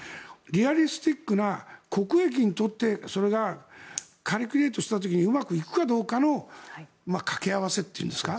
リアリスティックな国益にとってそれがカリキュレートした時にうまくいくかどうかの掛け合わせというんですか。